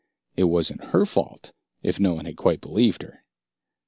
It wasn't her fault if no one had quite believed her.